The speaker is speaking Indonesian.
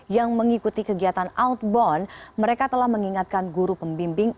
yang mengikuti kegiatan outbound mereka telah mengingatkan guru pembimbing